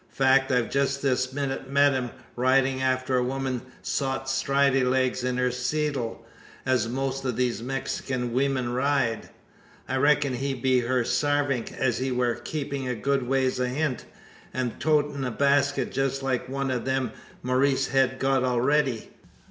Fact, I've jest this minnit met him, ridin' arter a wuman sot stridy legs in her seddle, as most o' these Mexikin weemen ride. I reck'n he be her sarvingt, as he war keepin' a good ways ahint, and toatin' a basket jest like one o' them Maurice hed got arready.